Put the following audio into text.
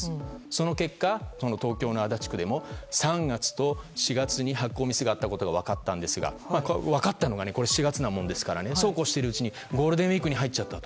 その結果、東京の足立区でも３月と４月に発行ミスがあったことが分かったんですが分かったのが４月なものですからそうこうしているうちにゴールデンウィークに入っちゃった。